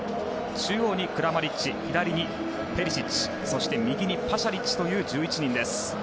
中央にクラマリッチ左にペリシッチそして、右にパシャリッチという１１人です。